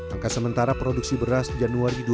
angka sementara produksi beras di januari dua ribu dua puluh